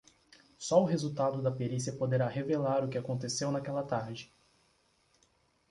Só o resultado da perícia poderá revelar o que aconteceu naquela tarde